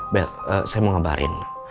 bel saya mau ngebarin